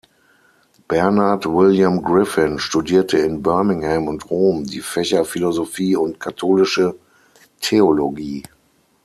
Bernard William Griffin studierte in Birmingham und Rom die Fächer Philosophie und Katholische Theologie.